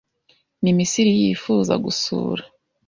Ni Misiri yifuza gusura.